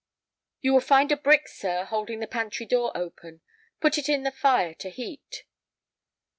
"You will find a brick, sir, holding the pantry door open. Put it in the fire to heat."